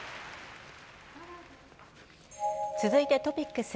続いてトピックス。